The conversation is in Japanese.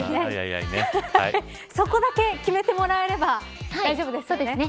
そこだけ決めてもらえれば大丈夫ですよね。